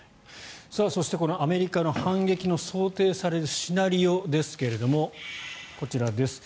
そして、アメリカの反撃の想定されるシナリオですけどもこちらです。